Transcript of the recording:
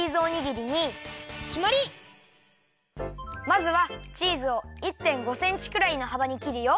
まずはチーズを１．５センチくらいのはばにきるよ。